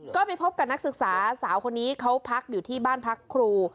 ก็ไปพบกับนักศึกษาสาวคนนี้เขาพักอยู่ที่บ้านพักครู